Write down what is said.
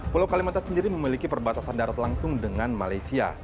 pulau kalimantan sendiri memiliki perbatasan darat langsung dengan malaysia